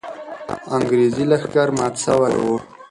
انګریزي لښکر مات سوی وو.